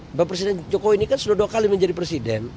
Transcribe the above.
mbak presiden jokowi ini kan sudah dua kali menjadi presiden